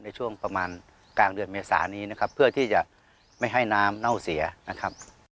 ในช่วงประมาณกลางเดือนเมษานี้นะครับเพื่อที่จะไม่ให้น้ำเน่าเสียนะครับ